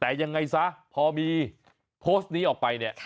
แต่ยังไงซะพอมีโพสต์นี้ออกไปเนี่ย